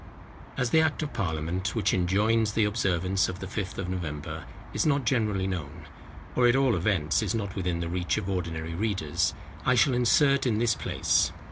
As the Act of Parliament which enjoins the observance of the Fifth of November is not generally known, or at all events is not within the reach of ordinary readers, I shall insert in this place.